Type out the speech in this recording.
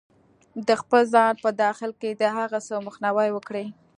-د خپل ځان په داخل کې د هغه څه مخنیوی وکړئ